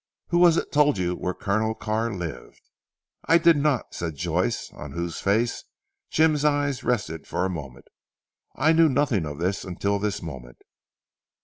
"Who was it told you where Colonel Carr lived?" "I did not," said Joyce on whose face Jim's eyes rested for a moment. "I knew nothing of this until this moment."